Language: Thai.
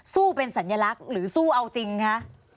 สู้เป็นสัญลักษณ์หรือสู้เอาจริงคะ